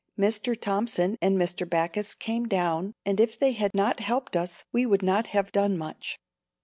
Mr. Thompson and Mr. Backus came down and if they had not helped us we would not have done much.